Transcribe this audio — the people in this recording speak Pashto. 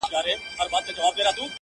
پر هر ځای چي به ملګري وه ښاغلي؛